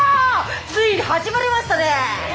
ついに始まりましたねえ。